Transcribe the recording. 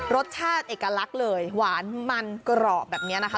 รสชาติเอกลักษณ์เลยหวานมันกรอบแบบนี้นะคะ